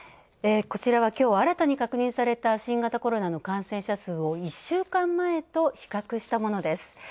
こちらはきょう、新たに確認された新型コロナの感染者数を１週間前と比較したものです。